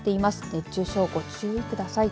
熱中症、ご注意ください。